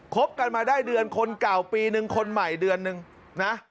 บกันมาได้เดือนคนเก่าปีนึงคนใหม่เดือนนึงนะ